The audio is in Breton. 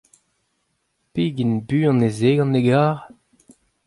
Pegen buan ez ae gant e garr ?